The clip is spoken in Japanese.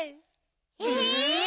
え！